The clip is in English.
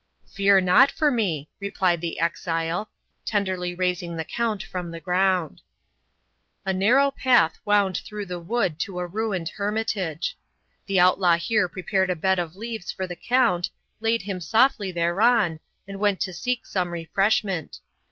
"Fear not for me," replied the exile, tenderly raising the Count from the ground. A narrow path wound through the wood to a ruined hermitage. The outlaw here prepared a bed of leaves for the Count, laid him softly thereon, and went to seek some refreshment.